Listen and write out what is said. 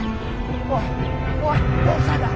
おいおいどうしたんだ？